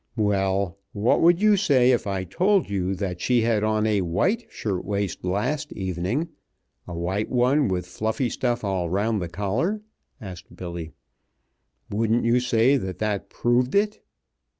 "Well, what would you say if I told you that she had on a white shirt waist last evening a white one with fluffy stuff all around the collar?" asked Billy. "Wouldn't you say that that proved it?"